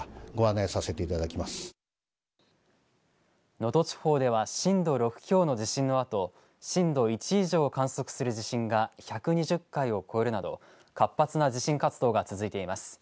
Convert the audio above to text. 能登地方では震度６強の地震のあと震度１以上を観測する地震が１２０回を超えるなど活発な地震活動が続いています。